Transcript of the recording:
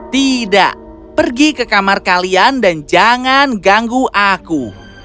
tidak pergi ke kamar kalian dan jangan ganggu aku